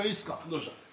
どうした？